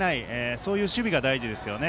そういう守備が大事ですよね。